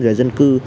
rồi dân cư